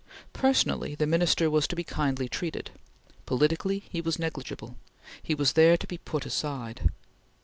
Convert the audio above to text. Personally the Minister was to be kindly treated; politically he was negligible; he was there to be put aside.